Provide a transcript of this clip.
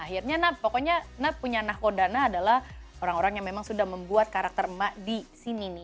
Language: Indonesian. akhirnya nah pokoknya nah punya nah kodana adalah orang orang yang memang sudah membuat karakter emak di sini nih